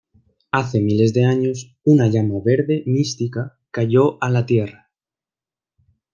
Hace miles de años, una "llama verde" mística cayó a la Tierra.